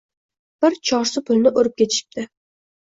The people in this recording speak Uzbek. Bir chorsi pulni urib ketishibdi.